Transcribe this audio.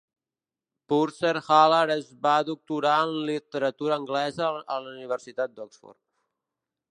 Purser-Hallard es va doctorar en literatura anglesa a la Universitat d'Oxford.